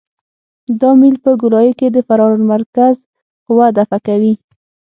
دا میل په ګولایي کې د فرار المرکز قوه دفع کوي